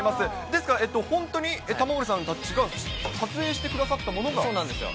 ですから、本当に玉森さんたちが撮影してくださったものが？